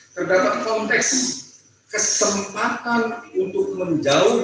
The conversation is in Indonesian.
terdapat konteks kesempatan untuk menjauh oleh mobil